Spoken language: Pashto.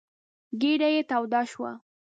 ګېډه يې توده شوه.